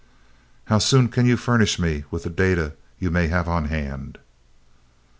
"How soon can you furnish me with the data you may have on hand?"